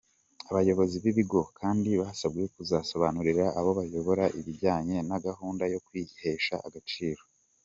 Abayobozi b’ibigo kandi basabwe kuzasobanurira abo bayobora ibijyanye na gahunda yo kwihesha agaciro.